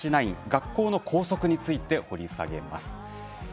学校の法則について掘り下げます。